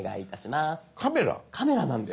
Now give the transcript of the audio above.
⁉カメラなんです。